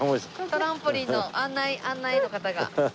トランポリンの案内案内の方が。